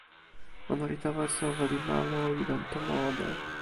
ona li tawa e soweli ma moli lon tomo ona.